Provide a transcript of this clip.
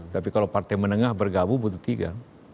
tapi kalau partai menengah bergabung butuh tiga